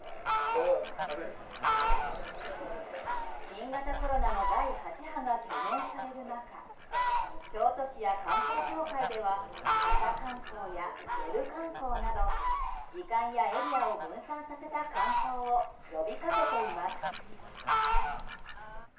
新型コロナの第８波が懸念される中京都市や観光協会では朝観光や夜観光など時間やエリアを分散させた観光を呼びかけています。